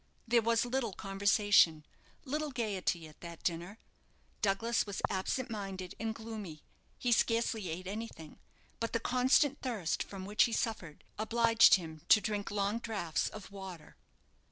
There was little conversation, little gaiety at that dinner. Douglas was absent minded and gloomy. He scarcely ate anything; but the constant thirst from which he suffered obliged him to drink long draughts of water.